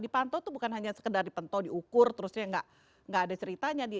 dipantau itu bukan hanya sekedar dipantau diukur terusnya nggak ada ceritanya dia